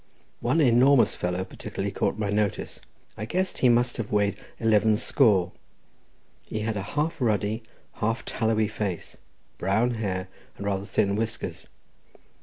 One enormous fellow particularly caught my notice. I guessed he must have weighed at least eleven score, he had a half ruddy, half tallowy face, brown hair, and rather thin whiskers.